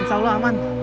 insya allah aman